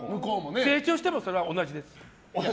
成長してもそれは同じです。